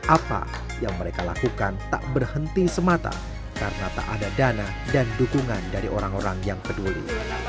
apa yang mereka lakukan tak berhenti semata karena tak ada dana dan dukungan dari orang orang yang peduli